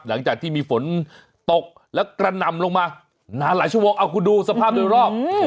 หลังจากที่มีฝนตกแล้วกระหน่ำลงมานานหลายชั่วโมงเอาคุณดูสภาพโดยรอบ